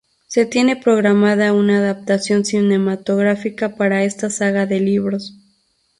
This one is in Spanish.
Se tiene programada una adaptación cinematográfica para esta saga de libros.